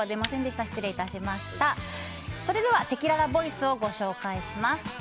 それではせきららボイスをご紹介します。